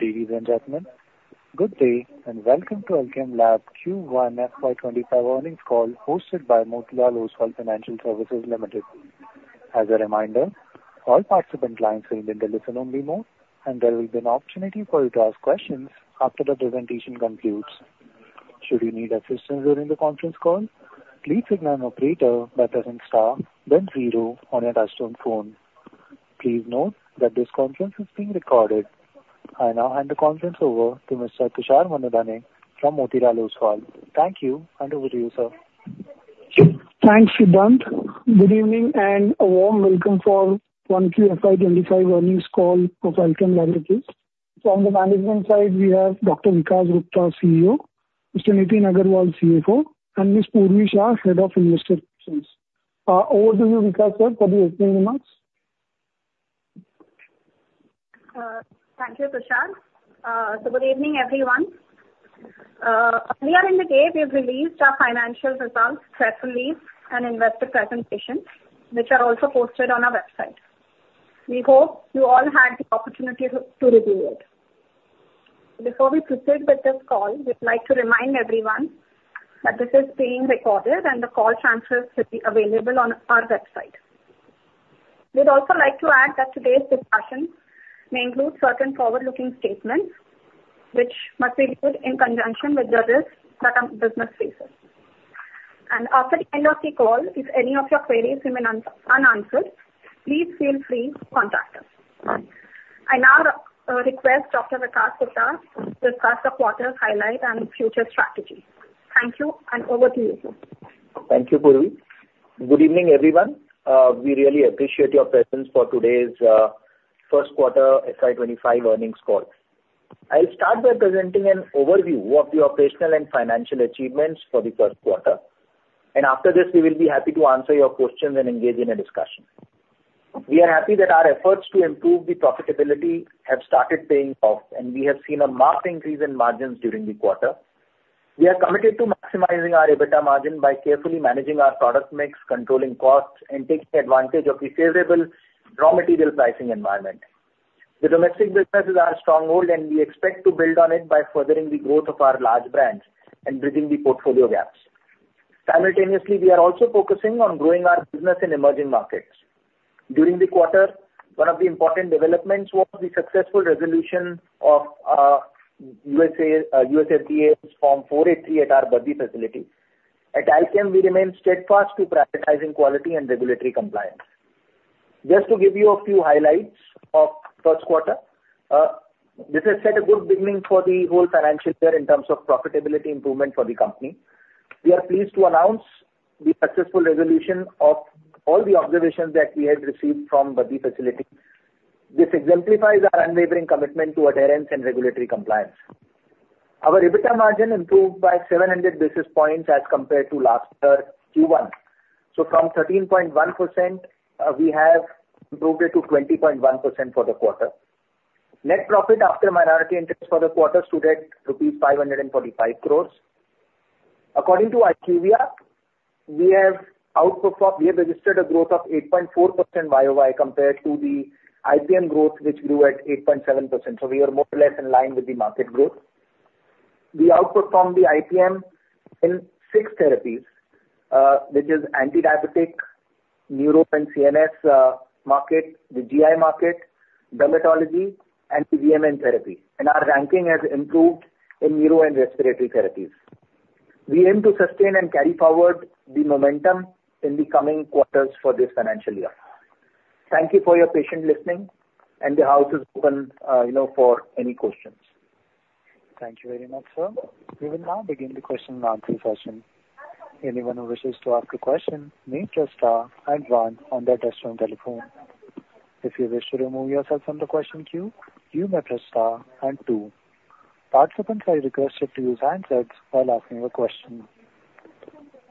Ladies and gentlemen, good day, and welcome to Alkem Laboratories Q1 FY25 earnings call, hosted by Motilal Oswal Financial Services Limited. As a reminder, all participant lines are in the listen-only mode, and there will be an opportunity for you to ask questions after the presentation concludes. Should you need assistance during the Conference Call, please signal an operator by pressing star then zero on your touchtone phone. Please note that this conference is being recorded. I now hand the conference over to Mr. Tushar Manudhane from Motilal Oswal. Thank you, and over to you, sir. Thanks, Shubhank. Good evening, and a warm welcome for 1Q FY25 earnings call for Alkem Laboratories. So on the management side, we have Dr. Vikas Gupta, CEO; Mr. Nitin Agrawal, CFO; and Ms. Purvi Shah, Head of Investor Relations. Over to you, Vikas, sir, for the opening remarks. Thank you, Tushar. So good evening, everyone. Earlier in the day, we've released our financial results, press release, and investor presentation, which are also posted on our website. We hope you all had the opportunity to review it. Before we proceed with this call, we'd like to remind everyone that this is being recorded and the call transcript will be available on our website. We'd also like to add that today's discussion may include certain forward-looking statements, which must be read in conjunction with the risks that our business faces. After the end of the call, if any of your queries remain unanswered, please feel free to contact us. I now request Dr. Vikas Gupta to discuss the quarter's highlight and future strategy. Thank you, and over to you. Thank you, Purvi. Good evening, everyone. We really appreciate your presence for today's first quarter FY 25 earnings call. I'll start by presenting an overview of the operational and financial achievements for the first quarter, and after this, we will be happy to answer your questions and engage in a discussion. We are happy that our efforts to improve the profitability have started paying off, and we have seen a marked increase in margins during the quarter. We are committed to maximizing our EBITDA margin by carefully managing our product mix, controlling costs, and taking advantage of the favorable raw material pricing environment. The domestic business is our stronghold, and we expect to build on it by furthering the growth of our large brands and bridging the portfolio gaps. Simultaneously, we are also focusing on growing our business in emerging markets. During the quarter, one of the important developments was the successful resolution of USFDA's Form 483 at our Baddi facility. At Alkem, we remain steadfast to prioritizing quality and regulatory compliance. Just to give you a few highlights of first quarter, this has set a good beginning for the whole financial year in terms of profitability improvement for the company. We are pleased to announce the successful resolution of all the observations that we had received from Baddi facility. This exemplifies our unwavering commitment to adherence and regulatory compliance. Our EBITDA margin improved by 700 basis points as compared to last year Q1, so from 13.1%, we have improved it to 20.1% for the quarter. Net profit after minority interest for the quarter stood at rupees 545 crore. According to IQVIA, we have registered a growth of 8.4% YOY compared to the IPM growth, which grew at 8.7%, so we are more or less in line with the market growth. The output from the IPM in six therapies, which is anti-diabetic, neuro and CNS market, the GI market, dermatology, and PBMN therapy, and our ranking has improved in neuro and respiratory therapies. We aim to sustain and carry forward the momentum in the coming quarters for this financial year. Thank you for your patience in listening, and the house is open, you know, for any questions. Thank you very much, sir. We will now begin the question and answer session. Anyone who wishes to ask a question may press star and one on their touchtone telephone. If you wish to remove yourself from the question queue, you may press star and two. Participants are requested to use handsets while asking a question.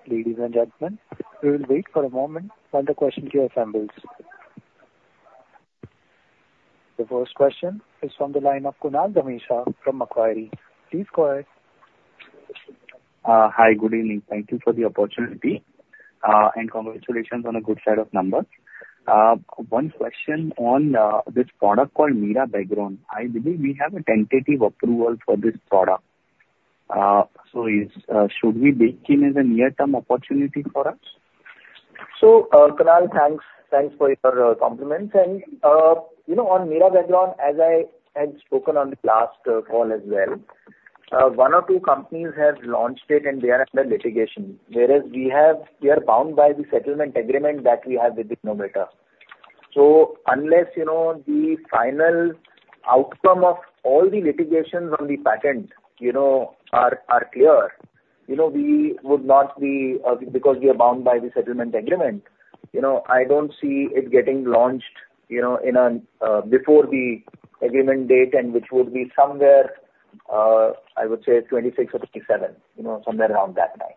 Ladies and gentlemen, we will wait for a moment while the question queue assembles. The first question is from the line of Kunal Dhamesha from Macquarie. Please go ahead. Hi. Good evening. Thank you for the opportunity, and congratulations on a good set of numbers. One question on thisproduct called Mira Background. I believe we have a tentative approval for this product. So, should we be keen as a near-term opportunity for us? So, Kunal, thanks, thanks for your, compliments. And, you know, on Mira Background, as I had spoken on the last, call as well, one or two companies have launched it and they are under litigation. Whereas we have, we are bound by the settlement agreement that we have with the innovator. So unless, you know, the final outcome of all the litigations on the patent, you know, are clear, you know, we would not be, because we are bound by the settlement agreement, you know, I don't see it getting launched, you know, in an, before the agreement date and which would be somewhere, I would say 2026 or 2027, you know, somewhere around that time.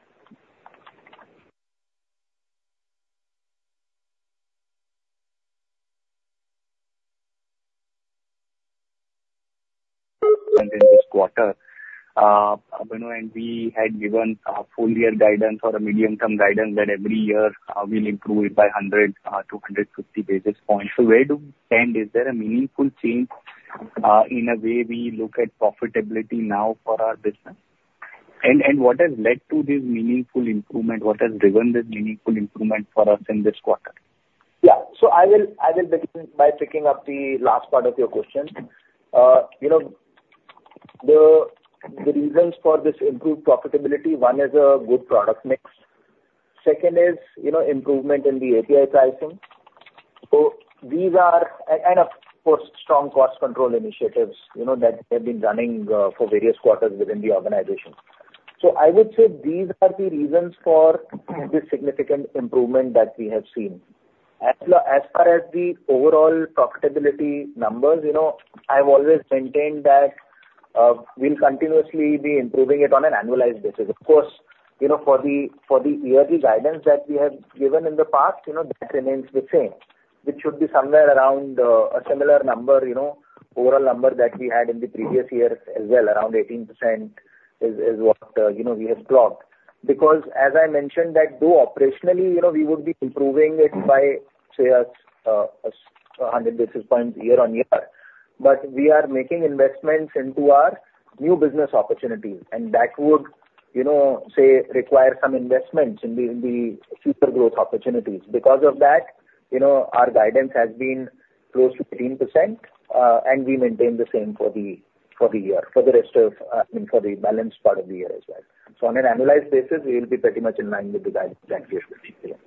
And in this quarter.... you know, and we had given a full year guidance or a medium-term guidance that every year, we'll improve it by 100 to 250 basis points. So where do we stand? Is there a meaningful change in the way we look at profitability now for our business? And, and what has led to this meaningful improvement, what has driven this meaningful improvement for us in this quarter? Yeah. So I will, I will begin by picking up the last part of your question. You know, the reasons for this improved profitability, one is a good product mix. Second is, you know, improvement in the API pricing. So these are, and of course, strong cost control initiatives, you know, that have been running for various quarters within the organization. So I would say these are the reasons for this significant improvement that we have seen. As far as the overall profitability numbers, you know, I've always maintained that, we'll continuously be improving it on an annualized basis. Of course, you know, for the yearly guidance that we have given in the past, you know, that remains the same, which should be somewhere around a similar number, you know, overall number that we had in the previous year as well, around 18% is what you know, we have clocked. Because as I mentioned, that though operationally, you know, we would be improving it by, say, 100 basis points year-on-year, but we are making investments into our new business opportunities, and that would, you know, say, require some investments in the future growth opportunities. Because of that, you know, our guidance has been close to 13%, and we maintain the same for the year, for the rest of, I mean, for the balanced part of the year as well. On an annualized basis, we will be pretty much in line with the guidance that we have put together.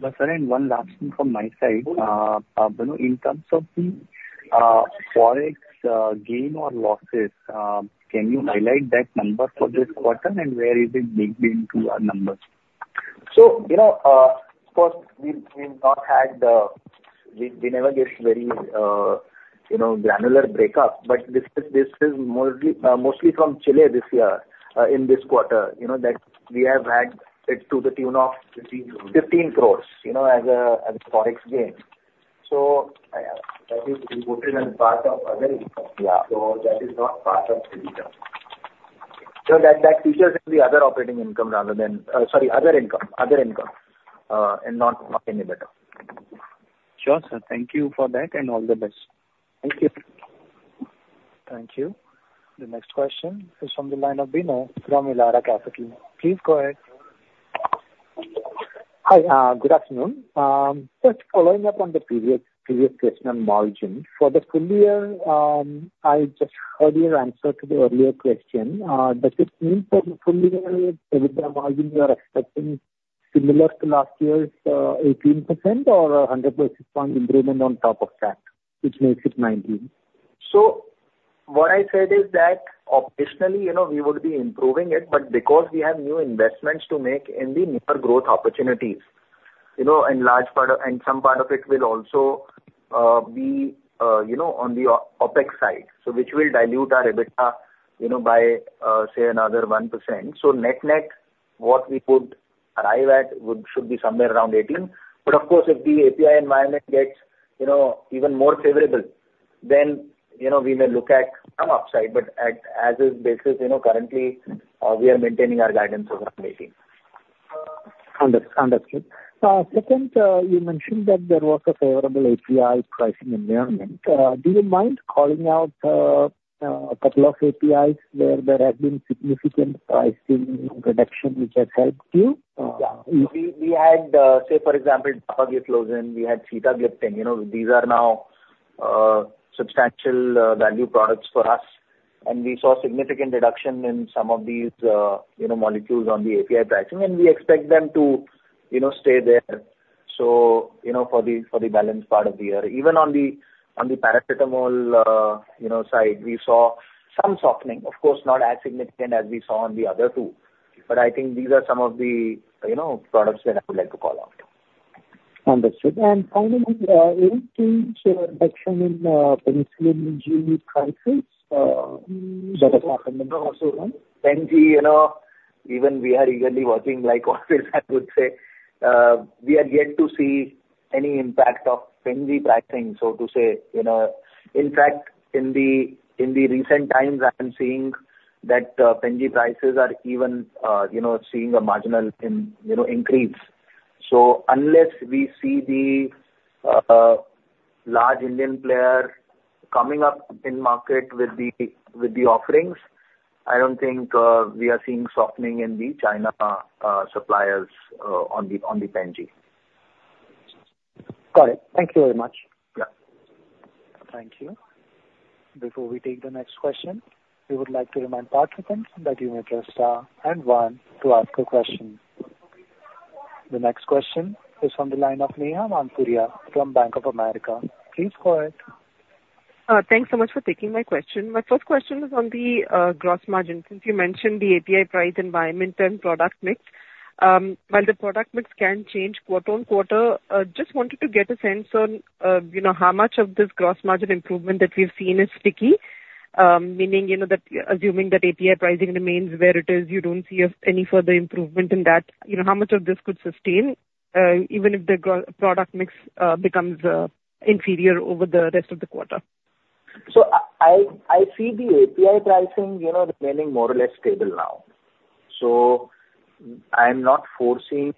But, sir, one last thing from my side. Sure. You know, in terms of the forex gain or losses, can you highlight that number for this quarter, and where is it baked into our numbers? So, you know, we never give very, you know, granular breakup, but this is mostly from Chile this year, in this quarter, you know, that we have had it to the tune of- Fifteen crores. 15 crore, you know, as forex gain. So- That is reported as part of other income. Yeah. So that is not part of. So that features in the other operating income rather than, sorry, other income, and not in EBITDA. Sure, sir. Thank you for that, and all the best. Thank you. Thank you. The next question is from the line of Vino from Elara Capital. Please go ahead. Hi, good afternoon. Just following up on the previous question on margin. For the full year, I just heard your answer to the earlier question. Does it mean for the full year, with the margin you are expecting similar to last year's 18% or 100 basis points improvement on top of that, which makes it 19%? So what I said is that operationally, you know, we would be improving it, but because we have new investments to make in the newer growth opportunities, you know, and large part of and some part of it will also, you know, be on the CapEx side, so which will dilute our EBITDA, you know, by, say, another 1%. So net-net, what we could arrive at would, should be somewhere around 18. But of course, if the API environment gets, you know, even more favorable, then, you know, we may look at some upside, but at, as is basis, you know, currently, we are maintaining our guidance around 18. Understood. Second, you mentioned that there was a favorable API pricing environment. Do you mind calling out a couple of APIs where there have been significant pricing reduction, which has helped you? Yeah. We, we had, say, for example, dapagliflozin, we had sitagliptin. You know, these are now substantial value products for us, and we saw significant reduction in some of these, you know, molecules on the API pricing, and we expect them to, you know, stay there, so, you know, for the, for the balanced part of the year. Even on the, on the paracetamol, you know, side, we saw some softening. Of course, not as significant as we saw on the other two, but I think these are some of the, you know, products that I would like to call out. Understood. And finally, any change or reduction in pen G prices that is happening also then? Pen G, you know, even we are eagerly watching like all this, I would say. We are yet to see any impact of Pen G pricing, so to say, you know. In fact, in the recent times, I am seeing that Pen G prices are even seeing a marginal increase. So unless we see the large Indian player coming up in market with the offerings, I don't think we are seeing softening in the China suppliers on the Pen G. Got it. Thank you very much. Yeah. Thank you. Before we take the next question, we would like to remind participants that you may press, and one to ask a question. The next question is from the line of Neha Manpuria from Bank of America. Please go ahead. Thanks so much for taking my question. My first question is on the gross margin. Since you mentioned the API price environment and product mix, while the product mix can change quarter-on-quarter, just wanted to get a sense on, you know, how much of this gross margin improvement that we've seen is sticky. Meaning, you know, that assuming that API pricing remains where it is, you don't see any further improvement in that. You know, how much of this could sustain even if the product mix becomes inferior over the rest of the quarter?... So I see the API pricing, you know, remaining more or less stable now. So I'm not foreseeing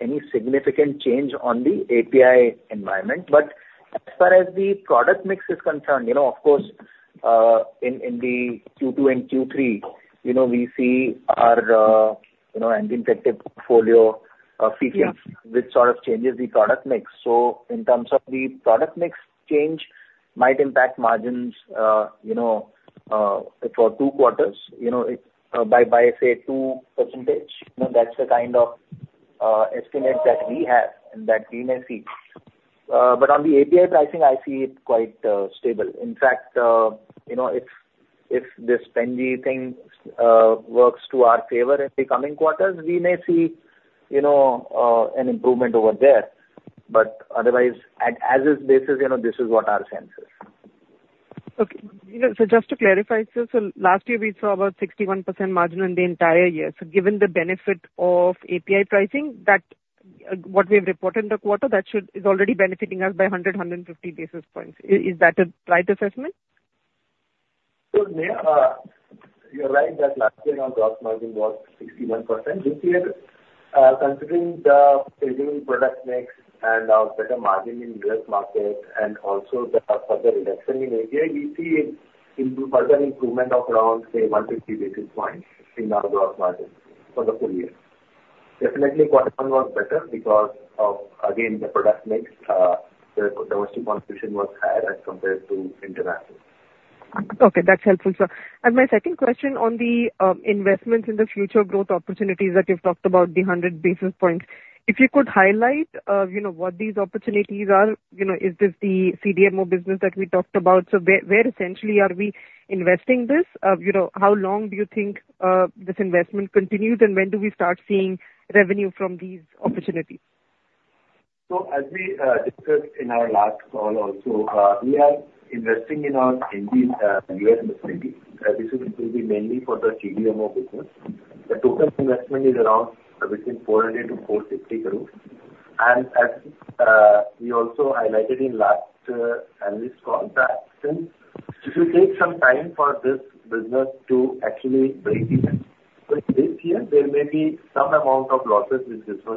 any significant change on the API environment. But as far as the product mix is concerned, you know, of course, in the Q2 and Q3, you know, we see our, you know, anti-infective portfolio, which sort of changes the product mix. So in terms of the product mix change might impact margins, you know, for two quarters, you know, it by say 2%. You know, that's the kind of estimate that we have and that we may see. But on the API pricing, I see it quite stable. In fact, you know, if this PenG thing works to our favor in the coming quarters, we may see, you know, an improvement over there. Otherwise, at as is basis, you know, this is what our sense is. Okay. You know, so just to clarify, sir, so last year we saw about 61% margin in the entire year. So given the benefit of API pricing, that, what we have reported in the quarter, that should... is already benefiting us by 100-150 basis points. Is that a right assessment? So, you're right, that last year our gross margin was 61%. This year, considering the changing product mix and our better margin in U.S. market and also the further reduction in API, we see it into further improvement of around, say, 150 basis points in our gross margin for the full year. Definitely, quarter one was better because of, again, the product mix. The domestic contribution was higher as compared to international. Okay, that's helpful, sir. My second question on the investments in the future growth opportunities that you've talked about, the 100 basis points. If you could highlight, you know, what these opportunities are, you know, is this the CDMO business that we talked about? So where essentially are we investing this? You know, how long do you think this investment continues, and when do we start seeing revenue from these opportunities? So as we discussed in our last call also, we are investing in our Enzene US entity. This is going to be mainly for the CDMO business. The total investment is around between 400 crore-450 crore. And as we also highlighted in last analyst call, that since it will take some time for this business to actually break even. So this year there may be some amount of losses which business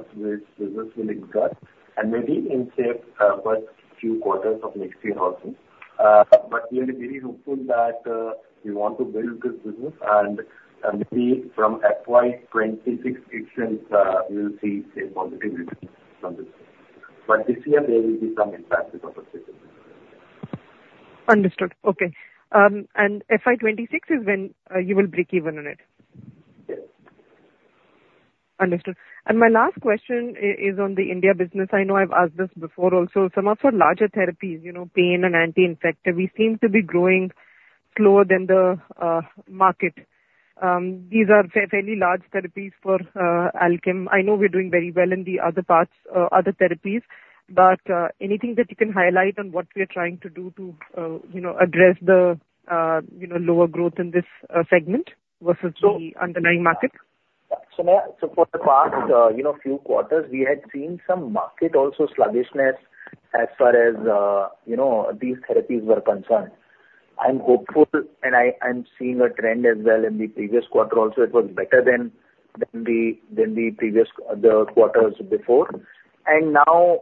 will incur and maybe in say first few quarters of next year also. But we are very hopeful that we want to build this business and maybe from FY 26, 18 we'll see a positive result from this. But this year there will be some impact because of this. Understood. Okay. FY 26 is when you will break even on it? Yes. Understood. My last question is on the India business. I know I've asked this before also. Some of our larger therapies, you know, pain and anti-infective, we seem to be growing slower than the market. These are fairly large therapies for Alkem. I know we're doing very well in the other parts, other therapies, but anything that you can highlight on what we are trying to do to, you know, address the lower growth in this segment versus the underlying market? So for the past, you know, few quarters, we had seen some market also sluggishness as far as, you know, these therapies were concerned. I'm hopeful, and I'm seeing a trend as well in the previous quarter also; it was better than the previous quarters before. And now,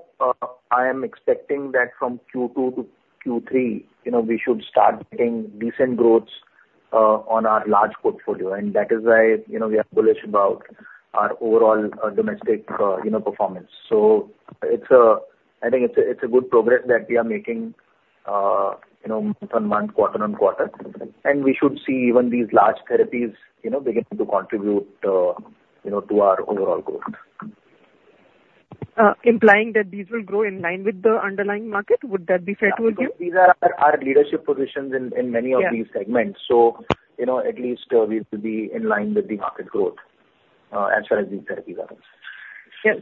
I am expecting that from Q2 to Q3, you know, we should start getting decent growth on our large portfolio, and that is why, you know, we are bullish about our overall domestic, you know, performance. So it's a... I think it's a good progress that we are making, you know, month-on-month, quarter-on-quarter. And we should see even these large therapies, you know, beginning to contribute, you know, to our overall growth. Implying that these will grow in line with the underlying market, would that be fair to assume? These are our leadership positions in many of these segments. Yeah. You know, at least, we will be in line with the market growth, as far as these therapies are concerned. Yeah.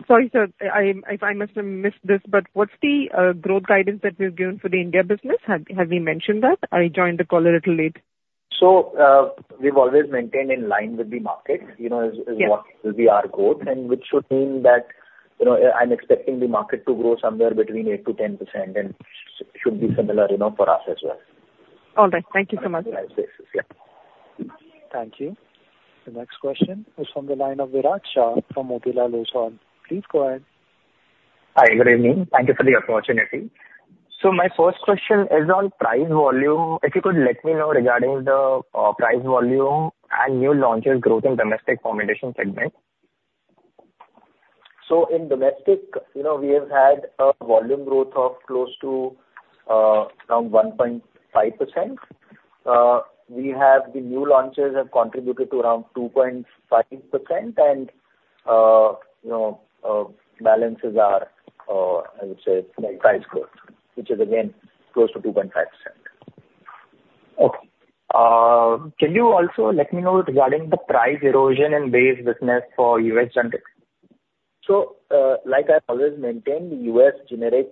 Sorry, sir, I must have missed this, but what's the growth guidance that we've given for the India business? Have you mentioned that? I joined the call a little late. We've always maintained in line with the market, you know- Yeah... is what will be our growth, and which should mean that, you know, I'm expecting the market to grow somewhere between 8%-10% and should be similar, you know, for us as well. All right. Thank you so much. Yeah. Thank you. The next question is from the line of Viral Shah from Motilal Oswal. Please go ahead. Hi, good evening. Thank you for the opportunity. So my first question is on price volume. If you could let me know regarding the price volume and new launches growth in domestic formulation segment. So in domestic, you know, we have had a volume growth of close to around 1.5%. We have the new launches have contributed to around 2.5% and, you know, balances are, I would say, price growth, which is again close to 2.5%. Okay. Can you also let me know regarding the price erosion in base business for U.S. generic? So, like I've always maintained, U.S. generic,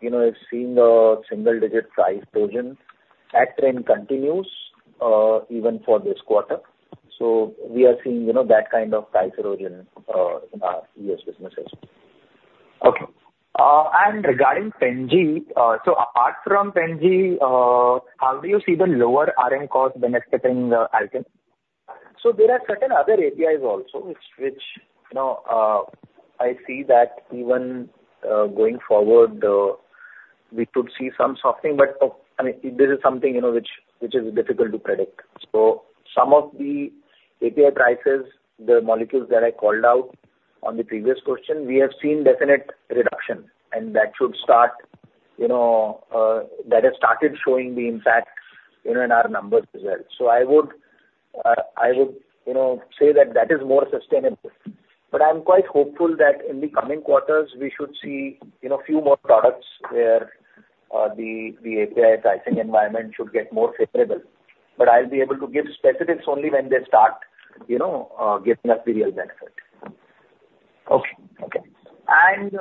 you know, is seeing a single digit price erosion. That trend continues, even for this quarter. So we are seeing, you know, that kind of price erosion, in our U.S. businesses.... Okay. Regarding Pen G, so apart from Pen G, how do you see the lower RM cost then affecting the outcome? So there are certain other APIs also, which, you know, I see that even going forward, we could see some softening, but, I mean, this is something, you know, which is difficult to predict. So some of the API prices, the molecules that I called out on the previous question, we have seen definite reduction, and that should start, you know, that has started showing the impact, you know, in our numbers as well. So I would, I would, you know, say that that is more sustainable. But I'm quite hopeful that in the coming quarters, we should see, you know, a few more products where, the API pricing environment should get more favorable. But I'll be able to give specifics only when they start, you know, giving us the real benefit. Okay. Okay. And,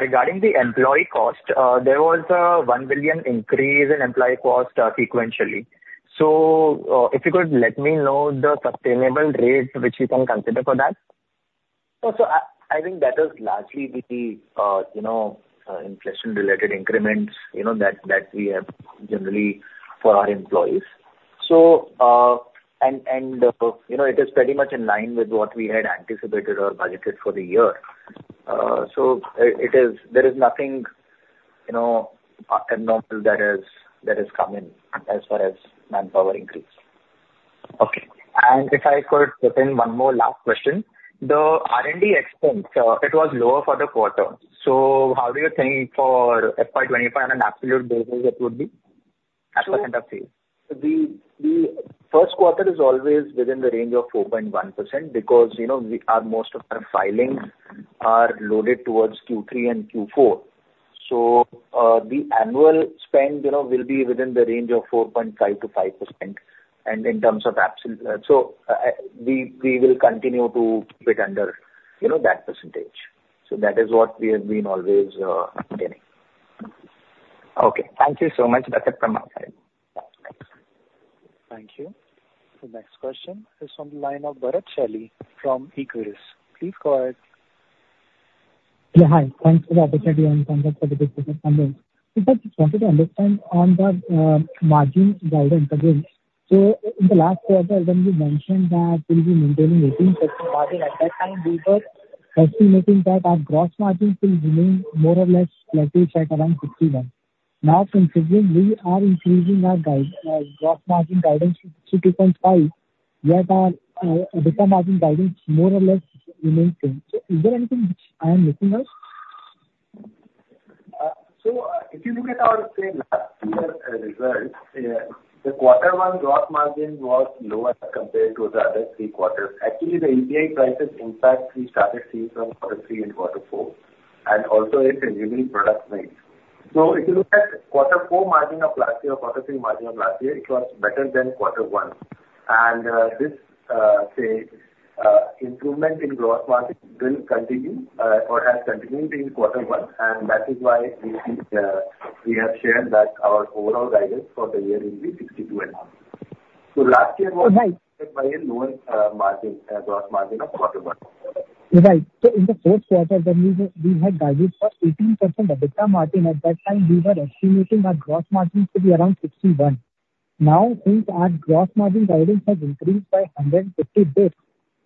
regarding the employee cost, there was a 1 billion increase in employee cost, sequentially. So, if you could let me know the sustainable rate which you can consider for that. So, I think that is largely the, you know, inflation-related increments, you know, that we have generally for our employees. So, you know, it is pretty much in line with what we had anticipated or budgeted for the year. So it is, there is nothing, you know, abnormal that has come in as far as manpower increase. Okay. And if I could put in one more last question. The R&D expense, it was lower for the quarter, so how do you think for FY 25 on an absolute basis it would be, as a kind of fee? The first quarter is always within the range of 4.1%, because, you know, most of our filings are loaded towards Q3 and Q4. So, the annual spend, you know, will be within the range of 4.5%-5%, and in terms of absolute. So, we will continue to keep it under, you know, that percentage. So that is what we have been always maintaining. Okay, thank you so much. That's it from my side. Thank you. The next question is from the line of Bharat Shelley from Equarius. Please go ahead. Yeah, hi. Thanks for the opportunity. We just wanted to understand on the margin guidance again. In the last quarter, when you mentioned that you will be maintaining 18% margin, at that time, we were estimating that our gross margin will remain more or less likely set around 61. Now, considering we are increasing our guide, gross margin guidance to 2.5, yet our EBITDA margin guidance more or less remains same. Is there anything which I am missing out? So, if you look at our, say, last year, results, the quarter one gross margin was lower compared to the other three quarters. Actually, the API prices impact we started seeing from quarter three and quarter four, and also it's a unique product mix. So if you look at quarter four margin of last year or quarter three margin of last year, it was better than quarter one. And, this, say, improvement in gross margin will continue, or has continued in quarter one, and that is why we think, we have shared that our overall guidance for the year will be 62.5. So last year was- Right. Lower margin, gross margin of quarter one. Right. So in the first quarter, when we had guided for 18% EBITDA margin, at that time, we were estimating our gross margin to be around 61. Now, since our gross margin guidance has increased by 150 basis points,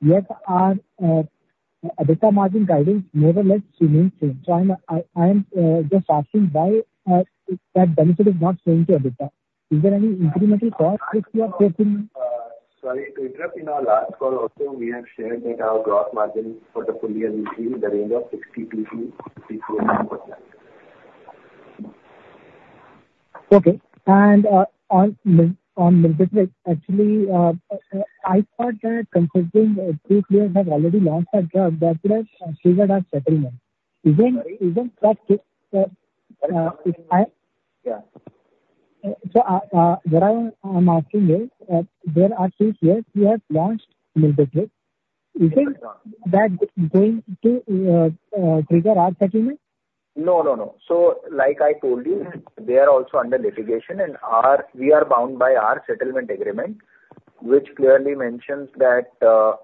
yet our EBITDA margin guidance more or less remains same. So I'm just asking why that benefit is not going to EBITDA? Is there any incremental cost which you are facing? Sorry to interrupt, in our last call also, we have shared that our gross margin for the full year will be in the range of 62%-64%. Okay. And on Miltefosine, actually, I thought that considering two players have already launched a drug that would have triggered a settlement. Isn't that, I- Yeah. So, what I'm asking is, there are two years we have launched Miltefosine. Isn't that going to trigger our settlement? No, no, no. So like I told you, they are also under litigation, and we are bound by our settlement agreement, which clearly mentions that,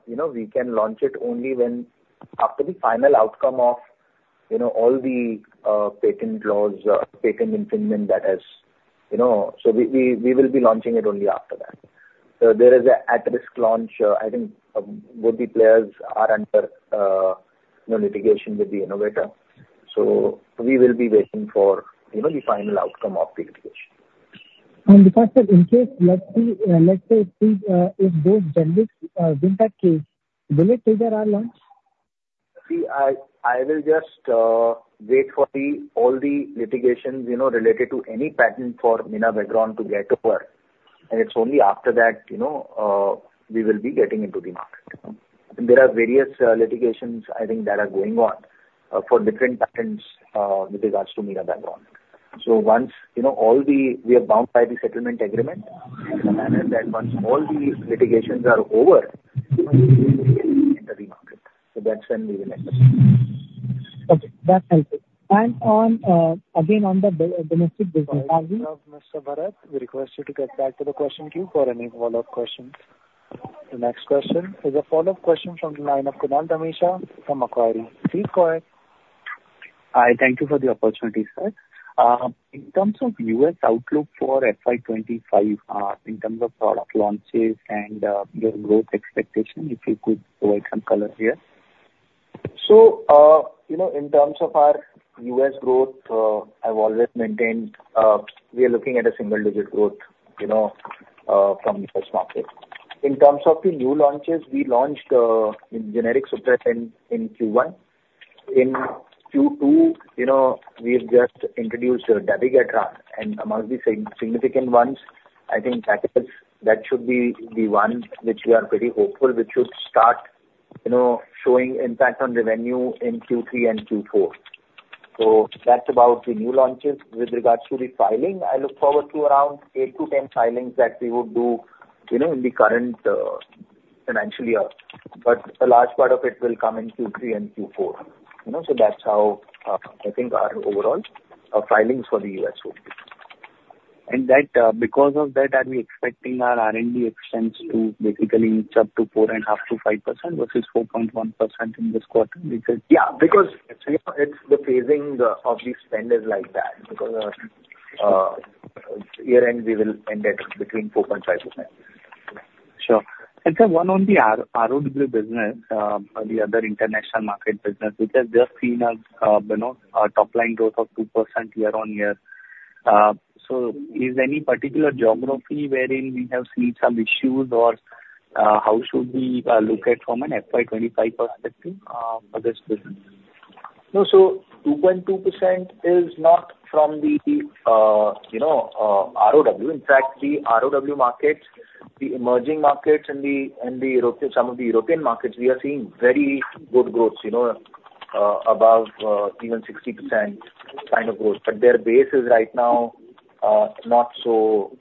you know, we can launch it only when, after the final outcome of, you know, all the patent laws, patent infringement that has, you know, so we will be launching it only after that. So there is a at-risk launch. I think both the players are under, you know, litigation with the innovator. So we will be waiting for, you know, the final outcome of the litigation. Deepak sir, in case, let's see, let's say, if those benefits win that case, will it trigger our launch? See, I will just wait for all the litigations, you know, related to any patent for Mina Bakron to get over, and it's only after that, you know, we will be getting into the market. There are various litigations, I think, that are going on for different patents with regards to Mina Bakron. So once, you know, we are bound by the settlement agreement in a manner that once all the litigations are over, we enter the market. So that's when we will enter. Okay, that's helpful. And on, again, on the domestic business, are we- Mr. Bharat, we request you to get back to the question queue for any follow-up questions... The next question is a follow-up question from the line of Kunal Dhamesha from Macquarie. Please go ahead. Hi, thank you for the opportunity, sir. In terms of U.S. outlook for FY 25, in terms of product launches and your growth expectation, if you could provide some color here. So, you know, in terms of our U.S. growth, I've always maintained, we are looking at a single digit growth, you know, from the first market. In terms of the new launches, we launched, in generic Supretend in Q1. In Q2, you know, we've just introduced, Dabigatran, and amongst the significant ones, I think that is, that should be the one which we are pretty hopeful, which should start, you know, showing impact on revenue in Q3 and Q4. So that's about the new launches. With regards to the filing, I look forward to around 8-10 filings that we would do, you know, in the current, financial year. But a large part of it will come in Q3 and Q4. You know, so that's how, I think, our overall, filings for the U.S. will be. That, because of that, are we expecting our R&D expense to basically reach up to 4.5%-5% versus 4.1% in this quarter because- Yeah, because, you know, it's the phasing of the spend is like that. Because, year-end, we will end it between 4.5%. Sure. And then one on the R- ROW business, or the other international market business, which has just seen a, you know, a top line growth of 2% year-on-year. So is there any particular geography wherein we have seen some issues? Or, how should we, look at from an FY 25 perspective, for this business? No, so 2.2% is not from the ROW. In fact, the ROW markets, the emerging markets and Europe, some of the European markets, we are seeing very good growth, you know, above even 60% kind of growth. But their base is right now not so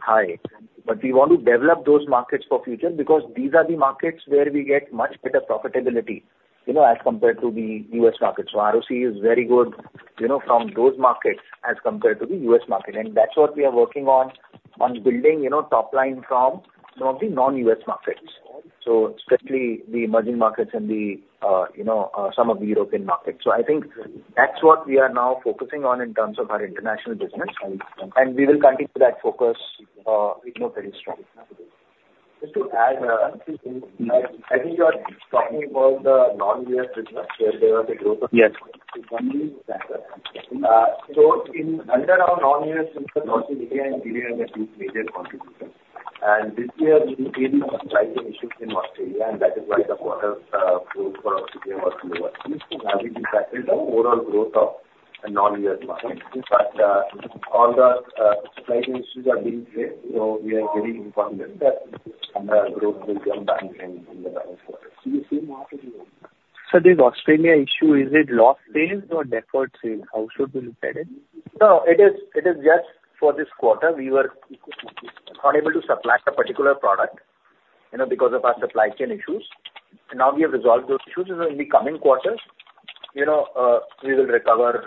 high. But we want to develop those markets for future because these are the markets where we get much better profitability, you know, as compared to the US market. So ROC is very good, you know, from those markets as compared to the US market. And that's what we are working on building, you know, top line from some of the non-US markets, so especially the emerging markets and some of the European markets. So I think that's what we are now focusing on in terms of our international business, and we will continue that focus, you know, very strongly. Just to add, I think you are talking about the non-US business, where there was a growth of- Yes. So in, under our non-U.S. business, Australia and India are the two major contributors. And this year we faced some supply chain issues in Australia, and that is why the quarter growth for Australia was lower. So that will be factor the overall growth of the non-U.S. markets. But all the supply chain issues are being cleared, so we are very confident that our growth will come back in the coming quarters. Sir, this Australia issue, is it lost sales or deferred sales? How should we look at it? No, it is, it is just for this quarter, we were not able to supply the particular product, you know, because of our supply chain issues. And now we have resolved those issues. So in the coming quarters, you know, we will recover,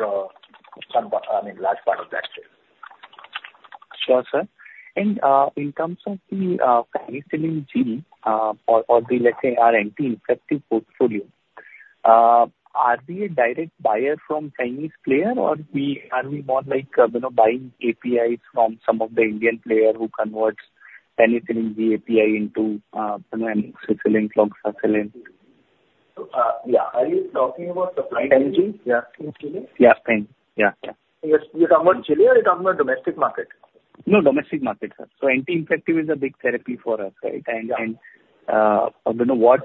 some part, I mean, large part of that sales. Sure, sir. And, in terms of the, penicillin G, or the, let's say, our anti-infective portfolio, are we a direct buyer from Chinese player, or are we more like, you know, buying APIs from some of the Indian player who converts penicillin G API into, you know, amoxicillin, cloxacillin? Yeah. Are you talking about the pen G? Yeah, Pen G. Yeah, Peng. Yeah, yeah. You're talking about Chile or you're talking about domestic market? No, domestic market, sir. Anti-infective is a big therapy for us, right? Yeah. And, you know, what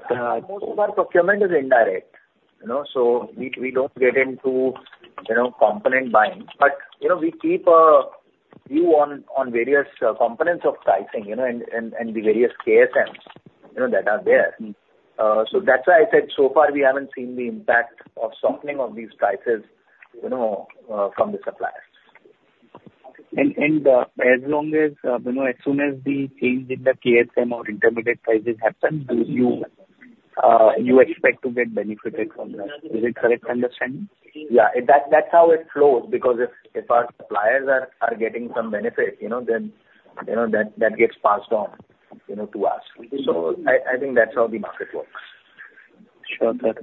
Most of our procurement is indirect, you know, so we don't get into, you know, component buying. But, you know, we keep a view on various components of pricing, you know, and the various KSMs, you know, that are there. Mm. That's why I said so far, we haven't seen the impact of softening of these prices, you know, from the suppliers. As long as, you know, as soon as the change in the KSM or intermediate prices happen, you expect to get benefited from that. Is it correct understanding? Yeah, that's how it flows, because if our suppliers are getting some benefit, you know, then, you know, that gets passed on, you know, to us. So I think that's how the market works. Sure, sir.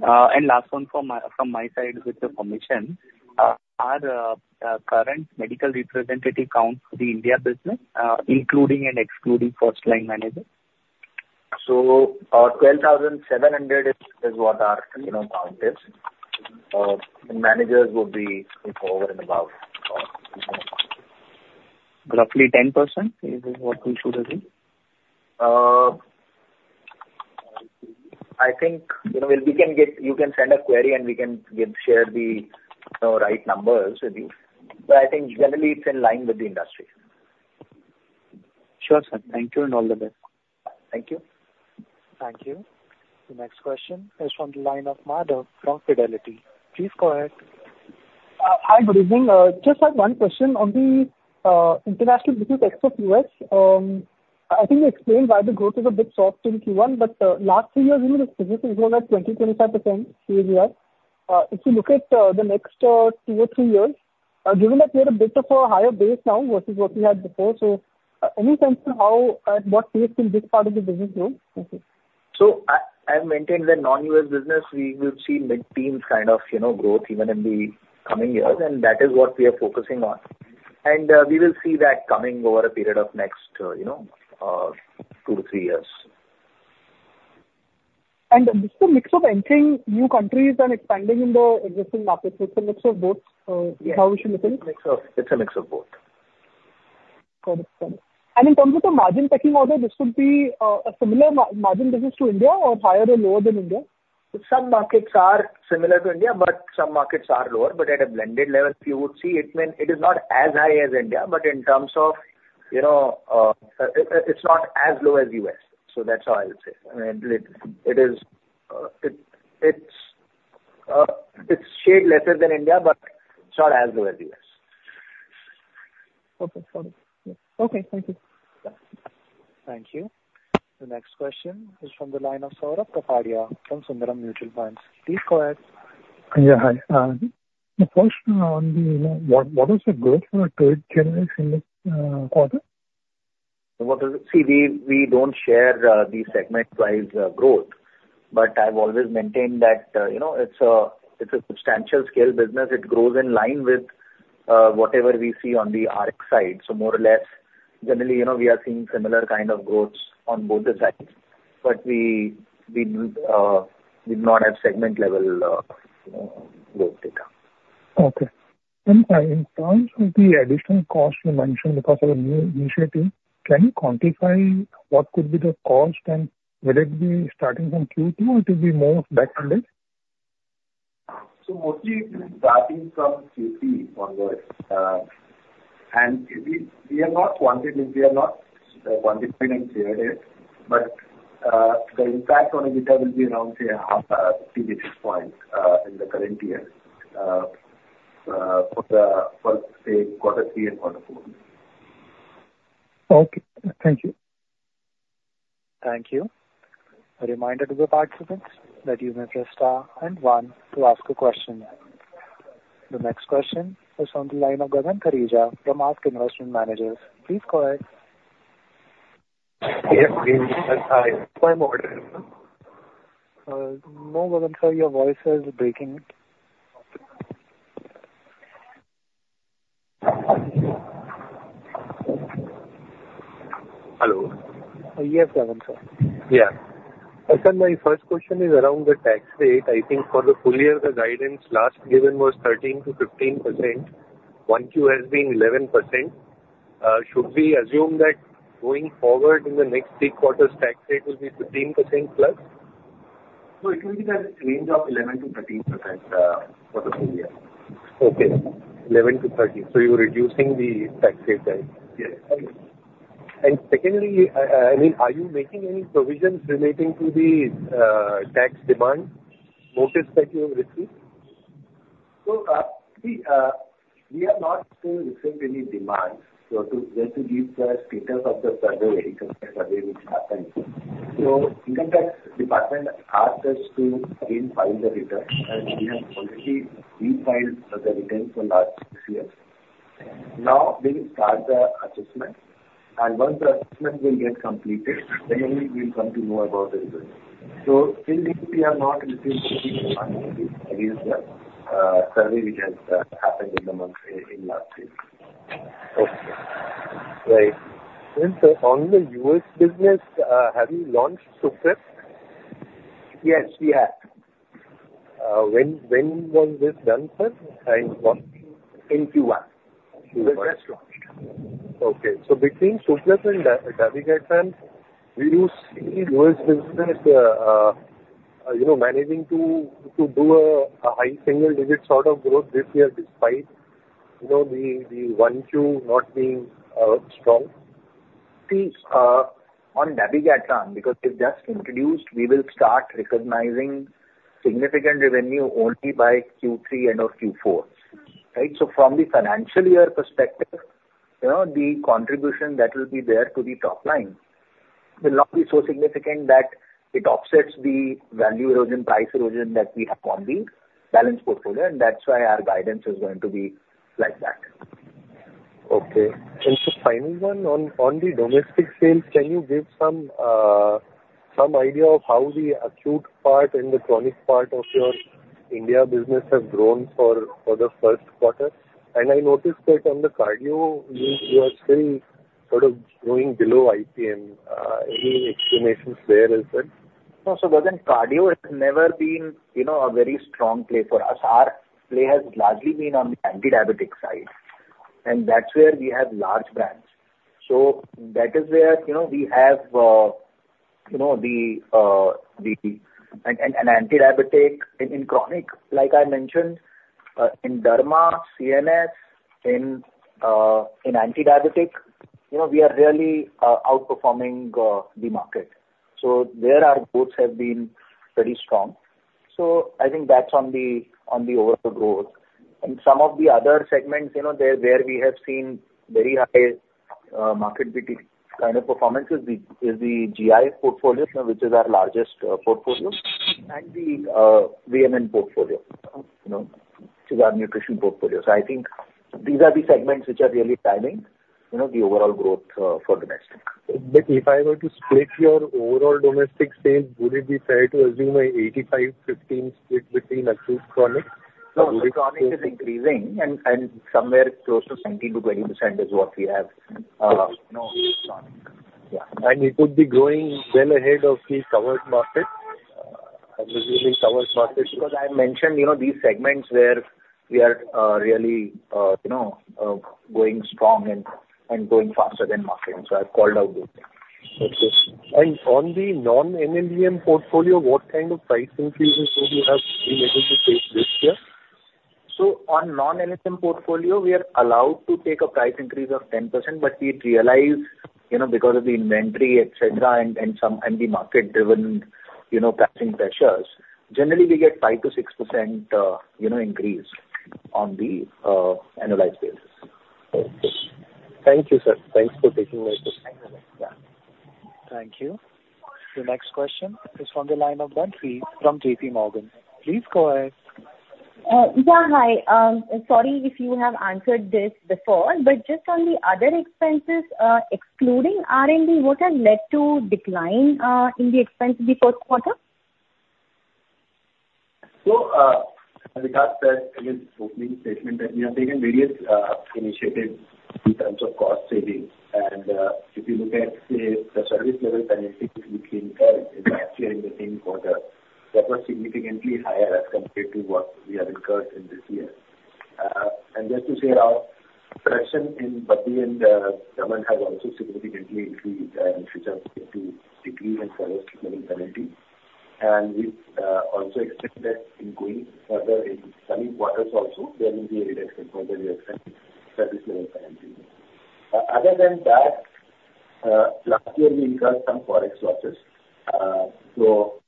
Last one from my side with the permission. Current medical representative count for the India business, including and excluding first line manager? Our 12,700 is what our, you know, count is. The managers would be over and above. Roughly 10% is what we should assume? I think, you know, you can send a query, and we can give, share the, you know, right numbers with you. But I think generally it's in line with the industry. Sure, sir. Thank you and all the best. Thank you. Thank you. The next question is from the line of Madhav from Fidelity. Please go ahead. Hi, good evening. Just had one question on the international business except US. I think you explained why the growth is a bit soft in Q1, but last three years, I mean, the business has grown at 20-25% CAGR. If you look at the next two or three years, given that we had a bit of a higher base now versus what we had before, so any sense to how, at what pace can this part of the business grow? I maintain the non-US business, we will see mid-teens kind of, you know, growth even in the coming years, and that is what we are focusing on. We will see that coming over a period of next two to three years. Is the mix of entering new countries and expanding in the existing markets. It's a mix of both. Yes. How we should look at it? It's a mix of both. Got it. Got it. In terms of the margin pecking order, this would be a similar margin business to India or higher or lower than India? Some markets are similar to India, but some markets are lower. But at a blended level, you would see it mean, it is not as high as India, but in terms of, you know, it's not as low as U.S. So that's all I would say. I mean, it is, it's shade lesser than India, but it's not as low as U.S. Okay. Got it. Yeah. Okay, thank you. Yeah. Thank you. The next question is from the line of Saurabh Kapadia from Sundaram Mutual Funds. Please go ahead. Yeah, hi. The question on the, you know, what was the growth for trade generics in this quarter? What is it? See, we don't share the segment-wise growth, but I've always maintained that, you know, it's a substantial scale business. It grows in line with whatever we see on the ARC side. So more or less, generally, you know, we are seeing similar kind of growths on both the sides, but we not have segment-level growth data. Okay. In terms of the additional cost you mentioned because of the new initiative, can you quantify what could be the cost, and will it be starting from Q2 or it will be more back ended? So mostly it will be starting from Q3 onwards. And we are not quantifying, clarifying it, but the impact on EBITDA will be around, say, 0.5 PPT point in the current year for say, quarter three and quarter four. Okay, thank you. Thank you. A reminder to the participants that you may press star and one to ask a question. The next question is on the line of Gagan Kharija from Axis Investment Managers. Please go ahead. Yes, please. Hi, am I audible? No, Gagan sir, your voice is breaking. Hello? Yes, Gagan sir. Yeah. So my first question is around the tax rate. I think for the full year, the guidance last given was 13%-15%. 1Q has been 11%. Should we assume that going forward in the next three quarters, tax rate will be 15%+? It will be in a range of 11%-13% for the full year. Okay, 11%-13%. So you're reducing the tax rate then? Yes. Secondly, I mean, are you making any provisions relating to the tax demand notice that you have received? So, we have not still received any demands, so just to give the status of the survey which happened. So Income Tax Department asked us to refile the return, and we have already refiled the return for last six years. Now, they will start the assessment, and once the assessment will get completed, then we will come to know about the result. So till date, we have not received against the survey which has happened in the month, in last week. Okay. Right. And, on the U.S. business, have you launched Suprac? Yes, we have. When was this done, sir? And what- In Q1. Q1. We just launched. Okay. So between Suprac and Dabigatran, do you see U.S. business, you know, managing to do a high single digit sort of growth this year, despite, you know, the Q1 not being strong? See, on Dabigatran, because it just introduced, we will start recognizing significant revenue only by Q3 end or Q4. Right? So from the financial year perspective, you know, the contribution that will be there to the top line will not be so significant that it offsets the value erosion, price erosion that we have on the balance portfolio, and that's why our guidance is going to be like that. Okay. And so final one, on the domestic sales, can you give some idea of how the acute part and the chronic part of your India business has grown for the first quarter? And I noticed that on the cardio, you are still sort of growing below IPM. Any explanations there as well? No. So Gagan, cardio has never been, you know, a very strong play for us. Our play has largely been on the antidiabetic side, and that's where we have large brands. So that is where, you know, we have the antidiabetic in chronic, like I mentioned, in Derma, CNS, in antidiabetic, you know, we are really outperforming the market. So there our growths have been pretty strong. So I think that's on the overall growth. And some of the other segments, you know, there, where we have seen very high market kind of performances is the GI portfolio, which is our largest portfolio, and the VMN portfolio, you know, which is our nutrition portfolio. So I think these are the segments which are really driving, you know, the overall growth for domestic. If I were to split your overall domestic sales, would it be fair to assume an 85-15 split between acute/chronic? No, chronic is increasing and somewhere close to 17%-20% is what we have, you know, chronic. Yeah. It could be growing well ahead of the covered market, because usually covered markets- Because I mentioned, you know, these segments where we are really, you know, going strong and going faster than market, so I called out those. Okay. On the non-NMBM portfolio, what kind of price increases would you have been able to take this year? On non-NMBM portfolio, we are allowed to take a price increase of 10%, but we realize, you know, because of the inventory, et cetera, and the market-driven, you know, pricing pressures, generally we get 5%-6%, you know, increase on the annualized basis. Okay. Thank you, sir. Thanks for taking my question. Yeah. Thank you. The next question is from the line of Dhantri from J.P. Morgan. Please go ahead. Yeah, hi. Sorry if you have answered this before, but just on the other expenses, excluding R&D, what had led to decline in the expense in the first quarter? So, as we talked that in the opening statement, that we have taken various initiatives in terms of cost savings. And, if you look at, say, the service level penalties which we incurred last year in the same quarter, that was significantly higher as compared to what we have incurred in this year. And just to say, our presence in Delhi and Mumbai has also significantly increased, in terms of degree and service level penalty. And we also expect that in going further in coming quarters also, there will be a reduction for the expense, service level penalty. Other than that, last year we incurred some Forex losses. So,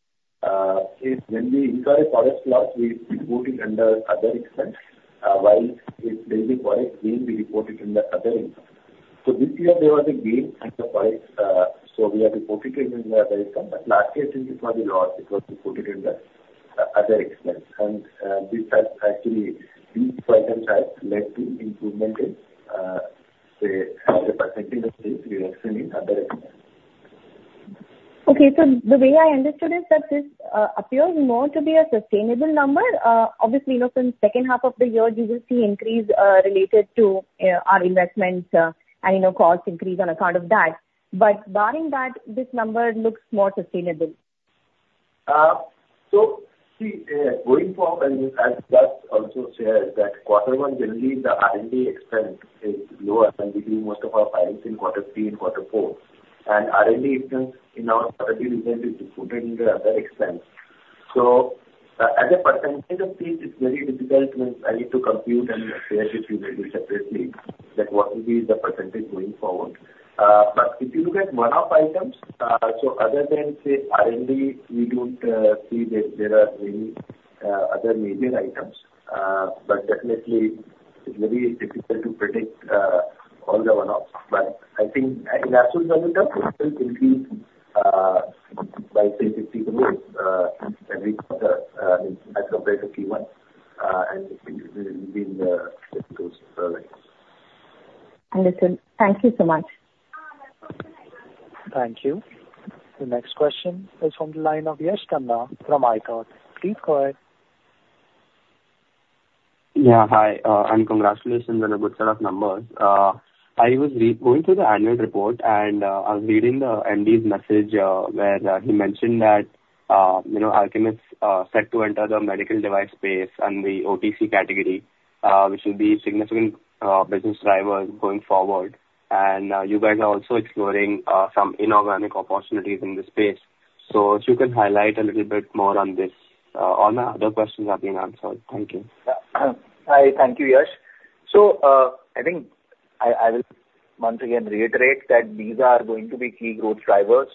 if when we incur a Forex loss, we report it under other expense, while if there's a Forex gain, we report it in the other income. So this year there was a gain in the Forex, so we have reported it in the other income. But last year since it was a loss, it was reported in the other expense. And this has actually, these items have led to improvement in, say, as a percentage of sales, we are seeing other expense. Okay. So the way I understood is that this appears more to be a sustainable number. Obviously, you know, from second half of the year, you will see increase related to our investments, and, you know, cost increase on account of that. But barring that, this number looks more sustainable. So see, going forward, and as Raj also shared, that quarter one, generally the R&D expense is lower and we do most of our filings in quarter three and quarter four. R&D expense in our quarterly result is reported in the other expense. So, as a percentage of this, it's very difficult to compute and share with you maybe separately, that what will be the percentage going forward. But if you look at one-off items, so other than, say, R&D, we don't see that there are many other major items. But definitely it's very difficult to predict all the one-offs. But I think in absolute terms, it will increase by 30%-50% than we got as of Q1, and it will be in the close variants. Understood. Thank you so much. Thank you. The next question is from the line of Yash Khanna from ICICI. Please go ahead. Yeah, hi. And congratulations on a good set of numbers. I was going through the annual report, and I was reading the MD's message, where he mentioned that, you know, Alkem set to enter the medical device space and the OTC category, which will be significant business drivers going forward. And you guys are also exploring some inorganic opportunities in this space. So if you can highlight a little bit more on this. All my other questions have been answered. Thank you. Hi. Thank you, Yash. So, I think I will once again reiterate that these are going to be key growth drivers.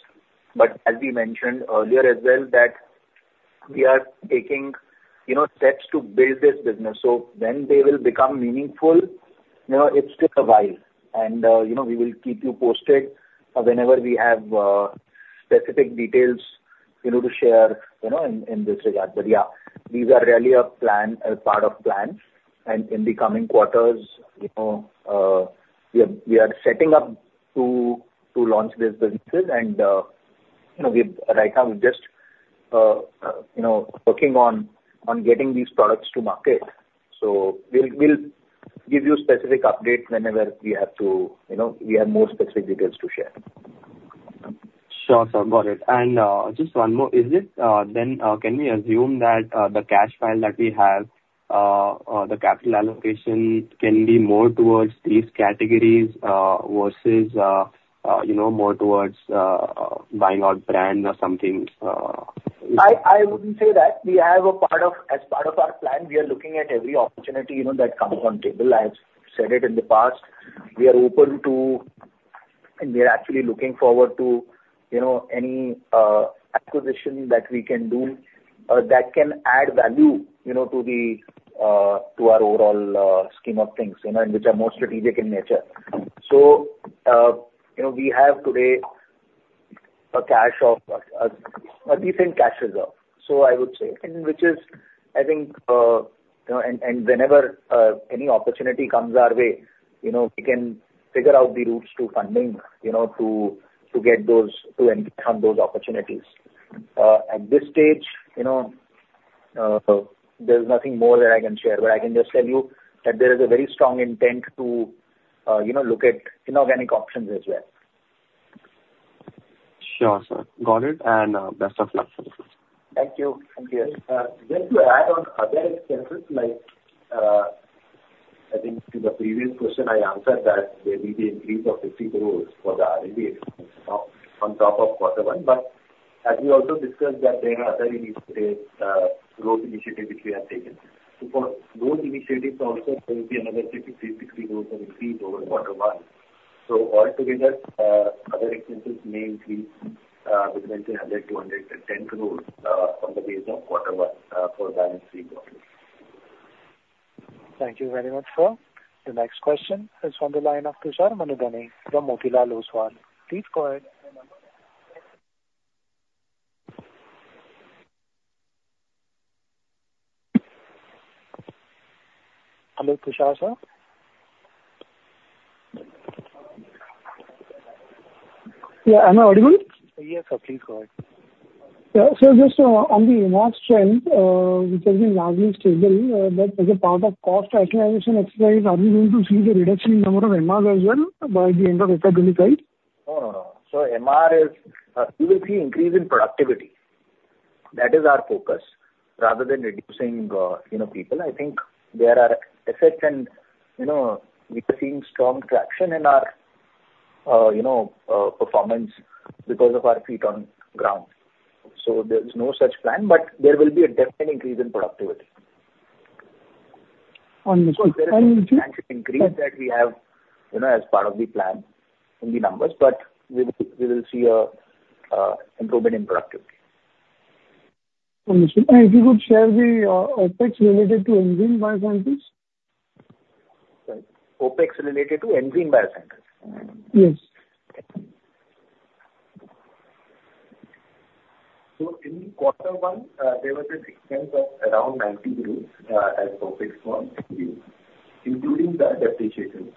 But as we mentioned earlier as well, that we are taking, you know, steps to build this business. So when they will become meaningful, you know, it's still a while. And, you know, we will keep you posted, whenever we have, specific details, you know, to share, you know, in this regard. But yeah, these are really a plan, a part of plan. And in the coming quarters, you know, we are setting up to launch these businesses. And, you know, right now we're just, you know, working on getting these products to market. So we'll give you specific updates whenever we have to, you know, we have more specific details to share. Sure, sir. Got it. And just one more. Can we assume that the cash pile that we have, the capital allocation can be more towards these categories versus you know more towards buying out brand or something? I wouldn't say that. As part of our plan, we are looking at every opportunity, you know, that comes on the table. I've said it in the past, we are open to and we are actually looking forward to, you know, any acquisition that we can do that can add value, you know, to the to our overall scheme of things, you know, and which are more strategic in nature. So, you know, we have today a decent cash reserve, so I would say, and which is, I think, you know, and whenever any opportunity comes our way, you know, we can figure out the routes to funding, you know, to get those, to embark on those opportunities. At this stage, you know, there's nothing more that I can share, but I can just tell you that there is a very strong intent to, you know, look at inorganic options as well. Sure, sir. Got it, and best of luck for the future. Thank you. Thank you. Just to add on other expenses, like, I think to the previous question I answered that there will be an increase of 50 crore for the R&D expense on top of quarter one, but as we also discussed, that there are other initiatives, growth initiatives which we have taken. So for those initiatives also, there will be another 50 crore-60 crore increase over quarter one. So all together, other expenses may increase between 100 crore-110 crore on the base of quarter one for the balance three quarters. Thank you very much, sir. The next question is on the line of Kushal Manubhai from Motilal Oswal. Please go ahead. Hello, Kushal sir? Yeah. Am I audible? Yes, sir. Please go ahead. So just, on the in-house trend, which has been largely stable, but as a part of cost optimization exercise, are we going to see the reduction in number of MRs as well by the end of FY25? No, no, no. So MR is, you will see increase in productivity. That is our focus, rather than reducing, you know, people. I think there are effects and, you know, we are seeing strong traction in our, you know, performance because of our feet on ground. So there is no such plan, but there will be a definite increase in productivity. Understood. There is potential increase that we have, you know, as part of the plan in the numbers, but we will, we will see a improvement in productivity. Understood. If you could share the OpEx related to Enzeme Biosciences? Sorry, OpEx related to Enzeme Biosciences? Yes. In quarter one, there was an expense of around 90 crore as OpEx from including the depreciation.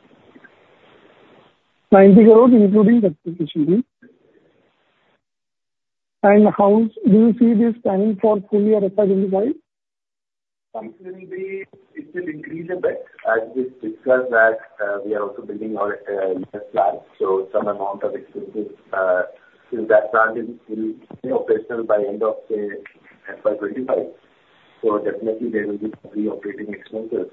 90 crore including depreciation? And how do you see this planning for full year 5? It will increase a bit. As we discussed that, we are also building our U.S. plant, so some amount of expenses in that plant will be operational by end of FY 2025. So definitely there will be some operating expenses.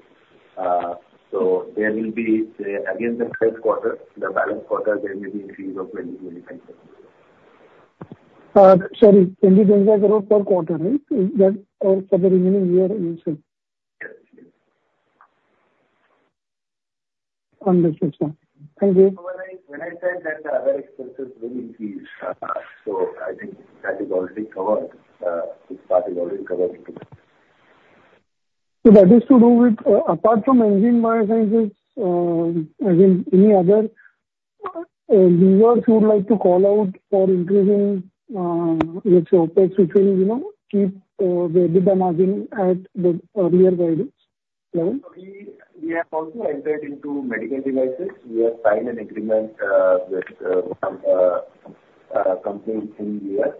So there will be, against the first quarter, the balance quarter, there may be increase of 20%-25%. Sorry, 25 crore per quarter, right? That for the remaining year also. Yes, yes. Understood, sir. Thank you. When I said that the other expenses will increase, so I think that is already covered, this part is already covered. So that is to do with, apart from Enzene Biosciences, are there any other deals you would like to call out for increasing, let's say, OpEx, which will, you know, keep the EBITDA margin at the earlier values? We have also entered into medical devices. We have signed an agreement with a company in the U.S.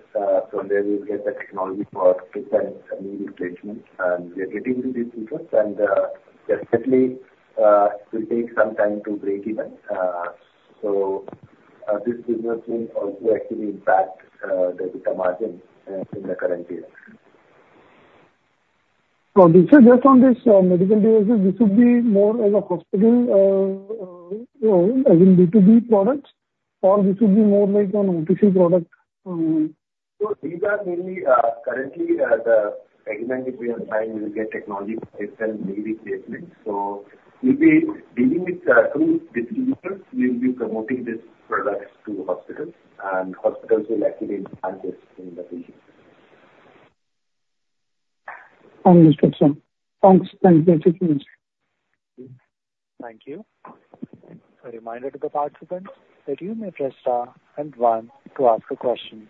So there we will get the technology for hip and knee replacement, and we are getting into these products, and definitely it will take some time to break even. This business will also actually impact the EBITDA margin in the current year. So this is just on this, medical devices, this would be more as a hospital, you know, as in B2B products, or this would be more like an OTC product? So these are mainly, currently, the agreement that we have signed. We will get technology for hip and knee replacement. So we'll be dealing with two distributors. We will be promoting these products to hospitals, and hospitals will actually purchase from the distributors. Understood, sir. Thanks. Thank you. Thank you. Thank you. A reminder to the participants that you may press star and one to ask a question.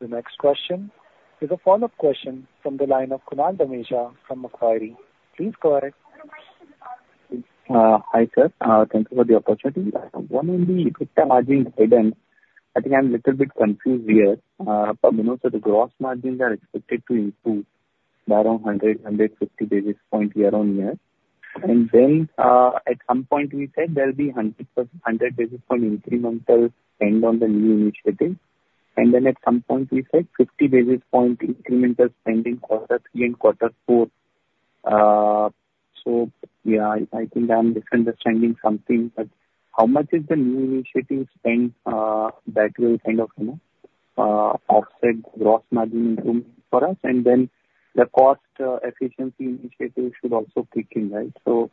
The next question is a follow-up question from the line of Kunal Dameja from Macquarie. Please go ahead. Hi, sir. Thank you for the opportunity. One on the EBITDA margin guidance. I think I'm a little bit confused here. But you know, so the gross margins are expected to improve by around 100-150 basis points year-on-year. And then, at some point we said there'll be 100 basis point incremental spend on the new initiatives. And then at some point we said 50 basis point incremental spend in quarter three and quarter four. So yeah, I think I'm misunderstanding something, but how much is the new initiative spend that will kind of, you know, offset gross margin room for us? And then the cost efficiency initiative should also kick in, right? So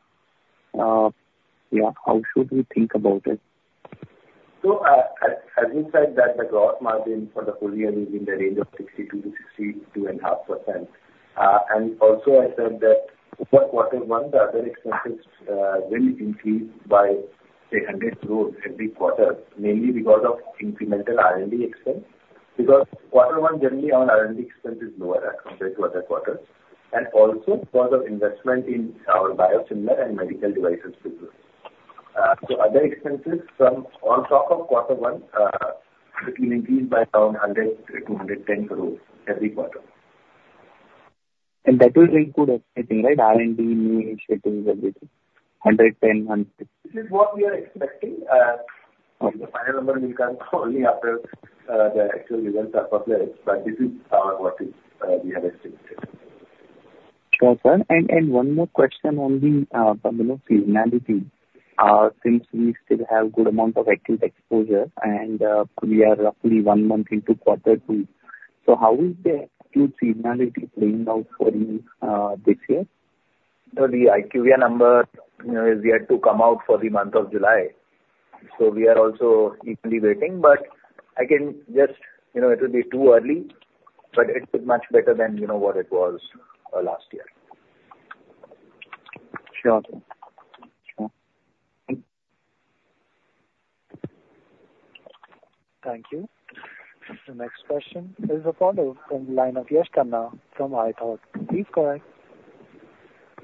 yeah, how should we think about it? So, as, as we said, that the gross margin for the full year is in the range of 62%-62.5%. Also I said that for quarter one, the other expenses will increase by, say, 100 crore every quarter, mainly because of incremental R&D expense. Because quarter one, generally, our R&D expense is lower as compared to other quarters, and also because of investment in our biosimilar and medical devices business. Other expenses from on top of quarter one, it will increase by around 100 crore-210 crore every quarter. That will include everything, right, R&D, new initiatives, everything, 110 and- This is what we are expecting. The final number will come only after the actual results are published, but this is what we have estimated. Sure, sir. One more question on the, you know, seasonality. Since we still have good amount of acute exposure, and we are roughly one month into quarter two, so how is the acute seasonality playing out for you this year? The IQVIA number, you know, is yet to come out for the month of July. We are also equally waiting, but I can just... You know, it will be too early, but it's much better than, you know, what it was last year. Sure. Sure. Thank you. The next question is a follow from the line of Yash Khanna from ROTH. Please go ahead.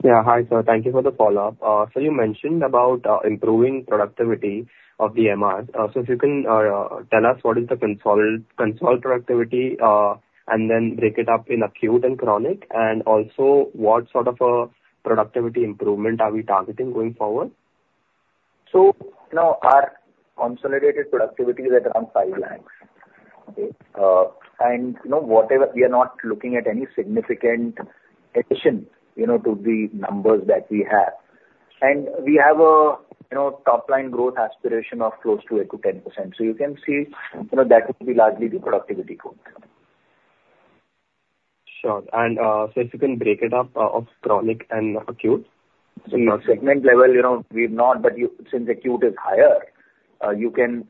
Yeah. Hi, sir. Thank you for the follow-up. So you mentioned about improving productivity of the MR. So if you can tell us what is the consolidated console productivity, and then break it up in acute and chronic, and also, what sort of a productivity improvement are we targeting going forward? So now our consolidated productivity is around 5 lakh. Okay, and you know, whatever, we are not looking at any significant addition, you know, to the numbers that we have. And we have a, you know, top line growth aspiration of close to 8%-10%. So you can see, you know, that will be largely the productivity growth. Sure. So if you can break it up of chronic and acute. Segment level, you know, we've not, but since acute is higher, you can,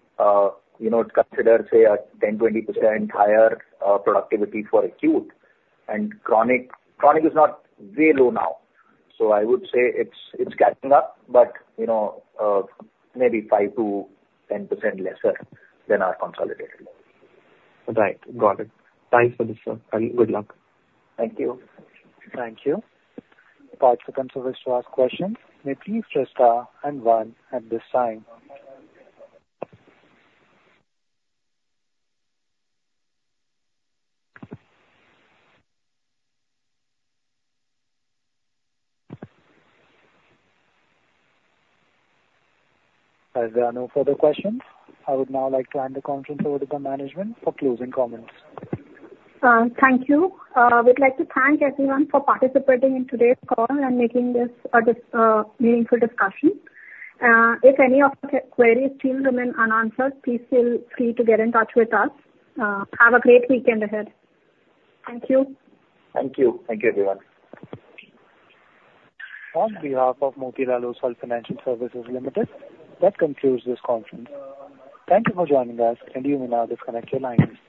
you know, consider, say, 10-20% higher productivity for acute. And chronic, chronic is not very low now, so I would say it's, it's catching up, but, you know, maybe 5-10% lesser than our consolidated level. Right. Got it. Thanks for this, sir. And good luck. Thank you. Thank you. Participants who wish to ask questions, may please press star and one at this time. As there are no further questions, I would now like to hand the conference over to the management for closing comments. Thank you. We'd like to thank everyone for participating in today's call and making this a meaningful discussion. If any of your queries still remain unanswered, please feel free to get in touch with us. Have a great weekend ahead. Thank you. Thank you. Thank you, everyone. On behalf of Motilal Oswal Financial Services Limited, that concludes this conference. Thank you for joining us, and you may now disconnect your lines.